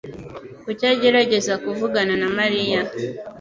Kuki agerageza kuvugana na Mariya?